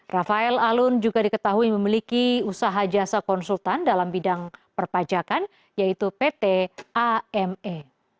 rafael alun juga diketahui memiliki usaha jasa konsultan dalam bidang perpajakan yaitu pt ame